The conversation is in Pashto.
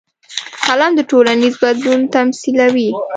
قلم د ټولنیز بدلون تمثیلوي